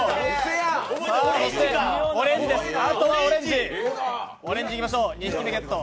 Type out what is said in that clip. あとはオレンジです、オレンジいきましょう、２色ゲット。